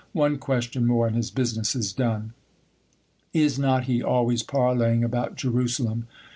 One question more, and his business is done. Is not he always parleying about Jerusalem